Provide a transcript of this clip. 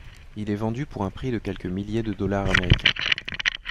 Il est vendu pour un prix de quelques milliers de dollars américains.